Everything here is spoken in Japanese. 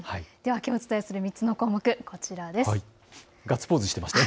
きょうお伝えする３つの項目、こちらです。